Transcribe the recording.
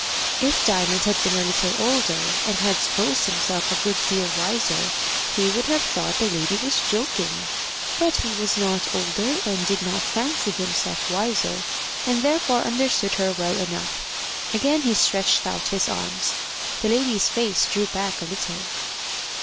If Diamond had been a little older, and had supposed himself a good deal wiser, he would have thought the lady was joking. But he was not older, and did not fancy himself wiser, and therefore understood her well enough. Again he stretched out his arms. The lady's face drew back a little.